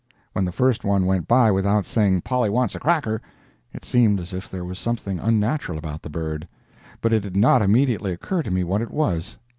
When the first one went by without saying "Polly wants a cracker," it seemed as if there was something unnatural about the bird, but it did not immediately occur to me what it was.